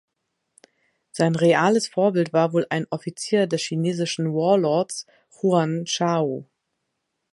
Sein reales Vorbild war wohl ein Offizier des chinesischen Warlords Yuan Shao.